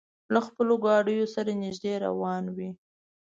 له خپلو ګاډیو سره نږدې روانې وې.